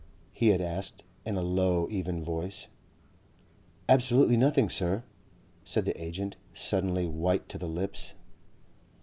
he had asked in a low even voice. "Absolutely nothing, Sir," said the agent, suddenly white to the lips....